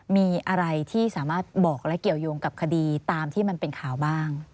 มีอะไรที่สามารถบอกและเกี่ยวยงกับคดีตามที่มันเป็นข่าวบ้าง